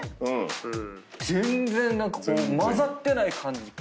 全然混ざってない感じで。